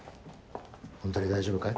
本当に大丈夫かい？